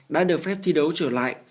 đã được phép thi đấu trở lại